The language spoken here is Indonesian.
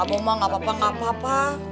abah om ah gak apa apa gak apa apa